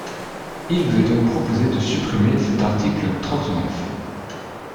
Il vous est donc proposé de supprimer cet article trente-neuf.